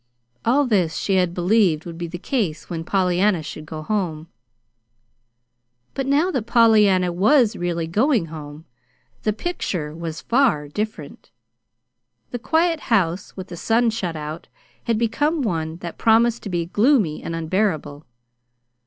All this she had believed would be the case when Pollyanna should go home. But now that Pollyanna was really going home, the picture was far different. The "quiet house with the sun shut out" had become one that promised to be "gloomy and unbearable."